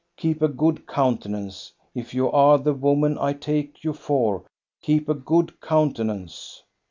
Keep a good countenance ; if you are the woman I take you for, keep a good countenance